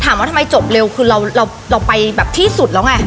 ถามว่าทำไมจบเร็วคือเราไปแบบที่สุดแล้วไง